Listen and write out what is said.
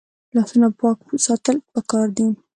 لاسونه پاک ساتل پکار دي